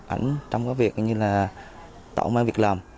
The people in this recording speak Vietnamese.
ảnh trong các việc như là tạo mạng việc làm